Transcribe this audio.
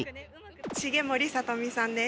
重盛さと美さんです。